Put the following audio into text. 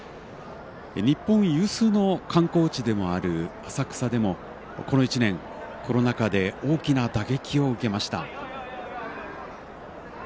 日本有数の観光地でもある浅草でもこの一年、コロナ禍で大きな打撃を受けました。